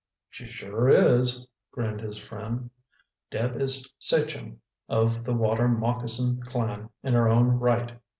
"She sure is," grinned his friend. "Deb is Sachem of the Water Moccasin Clan in her own right.